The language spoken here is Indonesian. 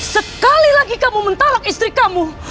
sekali lagi kamu mentolak istri kamu